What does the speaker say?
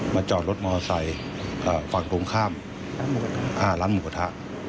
จอดรถมอไซค์ฝั่งตรงข้ามร้านหมูกระทะ